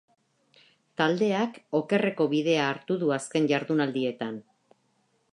Taldeak okerreko bidea hartu du azken jardunaldietan.